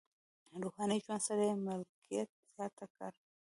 روحاني ژوند سره یې ملکیت زیات کړ.